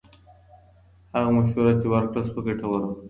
هغه مشوره چې ورکړل شوه، ګټوره وه.